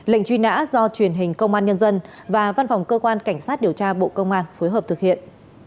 lệnh truy nã do truyền hình công an nhân dân và văn phòng cơ quan cảnh sát điều tra bộ công an phối hợp thực hiện